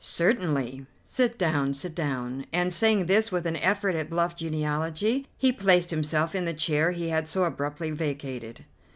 "Certainly. Sit down, sit down," and, saying this with an effort at bluff geniality, he placed himself in the chair he had so abruptly vacated.